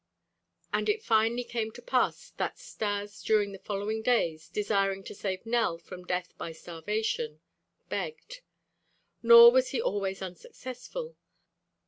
And it finally came to the pass that Stas during the following days, desiring to save Nell from death by starvation, begged. Nor was he always unsuccessful.